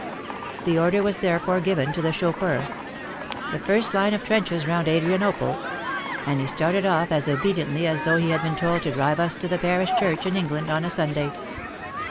The order was therefore given to the chauffeur, "The first line of trenches round Adrianople," and he started off as obediently as though he had been told to drive us to the parish church in England on a Sunday.